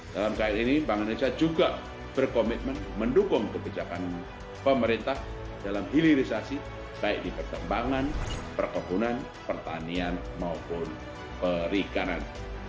dalam hal ini bank indonesia juga berkomitmen mendukung kebijakan pemerintah dalam hilirisasi baik di pertambangan perkebunan pertanian maupun perikanan